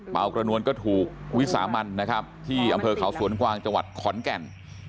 กระนวลก็ถูกวิสามันนะครับที่อำเภอเขาสวนกวางจังหวัดขอนแก่น